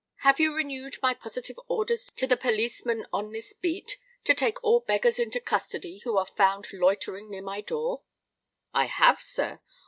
Have you renewed my positive orders to the policeman on this beat to take all beggars into custody who are found loitering near my door?" "I have, sir.